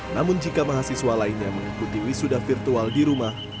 namun jika mahasiswa lainnya mengikuti wisuda virtual di rumah